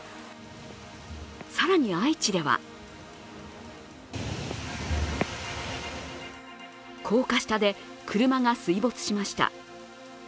更に愛知では高架下で車が水没しました。